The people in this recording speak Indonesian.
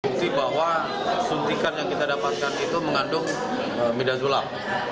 fungsi bahwa suntikan yang kita dapatkan itu mengandung middzulap